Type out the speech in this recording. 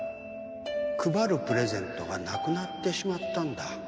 配るプレゼントがなくなってしまったんだ。